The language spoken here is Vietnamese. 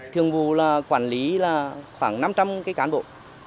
thường vụ là quản lý khoảng năm trăm linh cán bộ